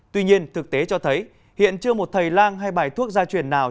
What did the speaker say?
tuy nhiên thực tế cho thấy hiện chưa một thầy lang hay bài thuốc gia truyền nào